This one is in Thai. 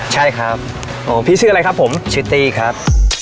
ใช่ครับพี่ชื่ออะไรครับผมชื่อตี้ครับ